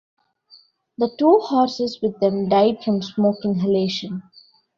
The two horses with them died from smoke inhalation.